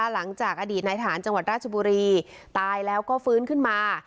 หลังจากอดีตนายฐานจังหวัดราชบุรีตายแล้วก็ฟื้นขึ้นมา